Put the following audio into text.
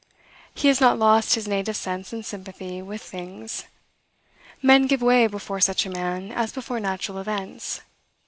He has not lost his native sense and sympathy with things. Men give way before such a man as before natural events.